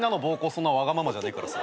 そんなわがままじゃねえからさ。